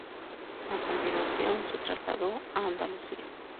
A continuación se trasladó a Andalucía.